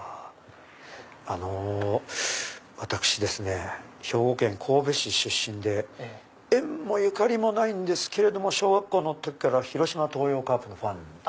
あの私兵庫県神戸市出身で縁もゆかりもないんですけれども小学校の時から広島東洋カープのファンで。